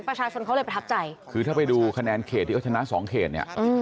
ประชาชนเขาเลยประทับใจคือถ้าไปดูคะแนนเขตที่เขาชนะสองเขตเนี่ย